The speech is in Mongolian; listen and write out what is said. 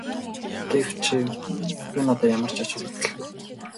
Гэвч энэ одоо ямар ч ач холбогдолгүй.